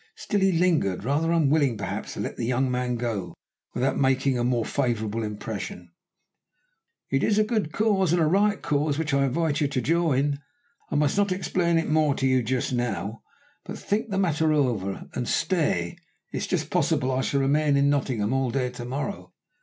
Still he lingered, rather unwilling perhaps to let the young man go without making a more favourable impression. "It is a good cause and a right cause which I invite you to join. I must not explain it more to you just now, but just think the matter over; and stay, it's just possible I shall remain in Nottingham all to morrow.